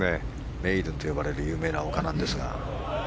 メイデンと呼ばれる有名な丘なんですが。